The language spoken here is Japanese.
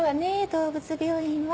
動物病院は。